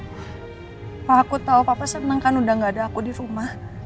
papa aku tau papa seneng kan udah gaada aku di rumah